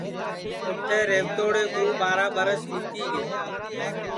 اوٹھے ریہوتوڑے کُو ٻاراں ٻرس ٻِیتی گے